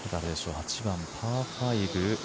８番、パー５。